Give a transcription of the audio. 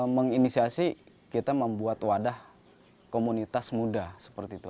menginisiasi kita membuat wadah komunitas muda seperti itu